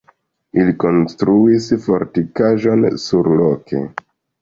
Ili konstruis fortikaĵon surloke.